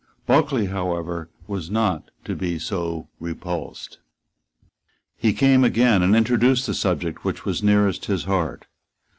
Bulkeley, however, was not to be so repulsed. He came again, and introduced the subject which was nearest his heart.